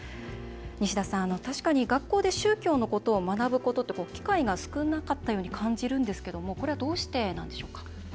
西田さん、確かに学校で宗教のことを学ぶことって機会が少なかったように感じるんですけどこれはどうしてなんでしょうか？